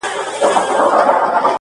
o ځکه چي ماته يې زړگی ويلی.